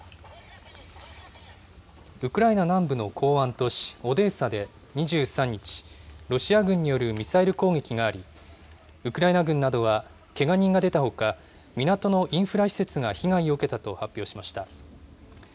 ウクライナ南部の港湾都市、オデーサで２３日、ロシア軍によるミサイル攻撃があり、ウクライナ軍などはけが人が出たほか、港のインフラ施設が被害を受けたと発表しました。